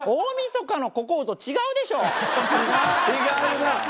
違うな。